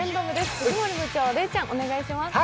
藤森部長、礼ちゃんお願いします。